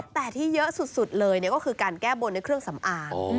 แต่ที่เยอะสุดเลยก็คือการแก้บนด้วยเครื่องสำอาง